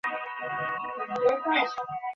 এই মুক্ত অবস্থা লাভ করা বড় কঠিন।